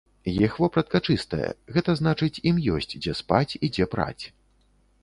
Іх вопратка чыстая, гэта значыць, ім ёсць, дзе спаць і дзе праць.